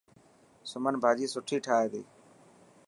سمن ڀاڄي سٺي ٺاهي تي.